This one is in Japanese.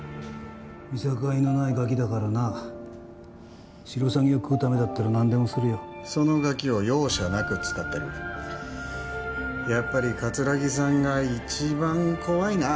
見境のないガキだからなシロサギを喰うためだったら何でもするよそのガキを容赦なく使ってるやっぱり桂木さんが一番怖いな